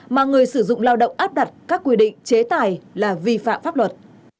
mà người sử dụng lao động áp đặt các quy định chế tài là vi phạm pháp luật